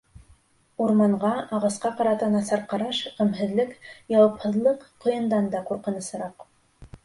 Урманға, ағасҡа ҡарата насар ҡараш, ғәмһеҙлек, яуапһыҙлыҡ ҡойондан да ҡурҡынысыраҡ.